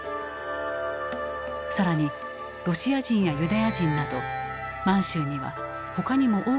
さらにロシア人やユダヤ人など満州には他にも多くの民族がいた。